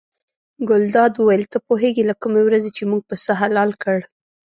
ګلداد وویل ته پوهېږې له کومې ورځې چې موږ پسه حلال کړ.